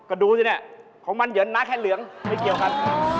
ก็ดูสิเนี่ยของมันเดี๋ยวนะแค่เหลืองไม่เกี่ยวกัน